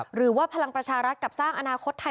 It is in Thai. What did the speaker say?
หรือว่าพลังประชารัฐกับสร้างอนาคตไทย